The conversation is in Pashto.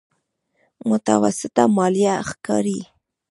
متوسطه ماليه ښکاري.